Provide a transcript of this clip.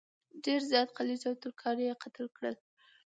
ډېر زیات خلج او ترکان یې قتل کړل.